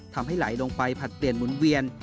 ทำให้ไหลลงไปผลัดเปลี่ยนหมุนเวียน